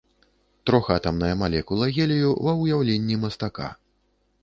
Трохатамная малекула гелію ва ўяўленні мастака.